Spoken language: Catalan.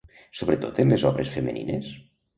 Sobretot en les obres femenines?